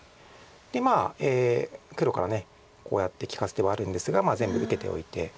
で黒からこうやって利かす手はあるんですが全部受けておいて。